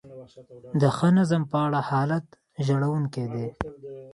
د ښه نظم په اړه حالت ژړونکی دی.